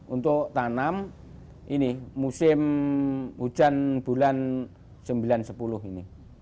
untuk tanam ini musim hujan bulan sembilan sepuluh ini